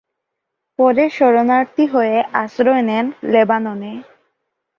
পরে শরণার্থী হয়ে আশ্রয় নেন লেবাননে।